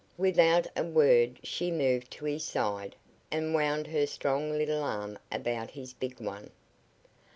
Without a word she moved to his side and wound her strong little arm about his big one.